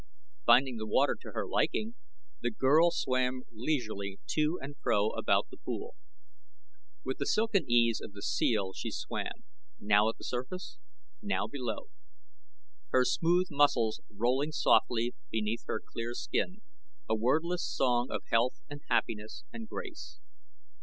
Finding the water to her liking, the girl swam leisurely to and fro about the pool. With the silken ease of the seal she swam, now at the surface, now below, her smooth muscles rolling softly beneath her clear skin a wordless song of health and happiness and grace.